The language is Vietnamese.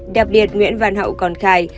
đặc biệt nguyễn văn hậu còn khai